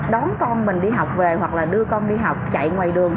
đón con mình đi học về hoặc là đưa con đi học chạy ngoài đường